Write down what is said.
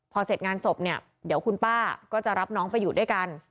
พอเสร็จงานศพเนี่ยเดี๋ยวคุณป้าก็จะรับน้องไปอยู่ด้วยกัน